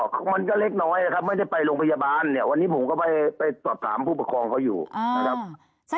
ก็มันก็เล็กน้อยนะครับไม่ได้ไปโรงพยาบาลเนี่ยวันนี้ผมก็ไปสอบถามผู้ปกครองเขาอยู่นะครับ